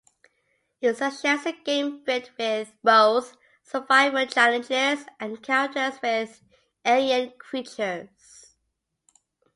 It suggests a game filled with both survival challenges and encounters with alien creatures.